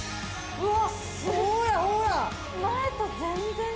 うわ！